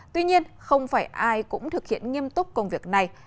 tuy nhiên không phải ai cũng thực hiện nghiêm túc công việc này